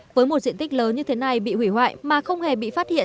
với một diện tích lớn như thế này bị hủy hoại mà không hề bị phát hiện